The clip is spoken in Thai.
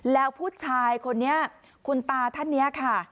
แล้วผู้ชายคนนี้คุณตาท่านนี้ค่ะ